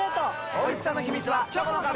おいしさの秘密はチョコの壁！